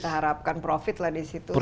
kita harapkan profit lah di situ